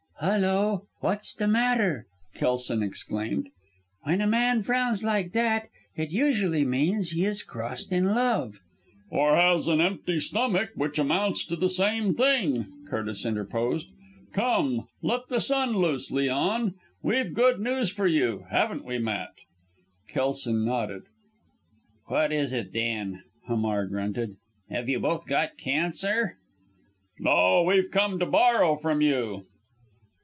"Hulloa! what's the matter?" Kelson exclaimed. "When a man frowns like that, it usually means he is crossed in love." "Or has an empty stomach, which amounts to the same thing," Curtis interposed. "Come let the sun loose, Leon! We've good news for you! haven't we, Matt?" Kelson nodded. "What is it, then?" Hamar grunted. "Have you both got cancer?" "No! We've come to borrow from you!"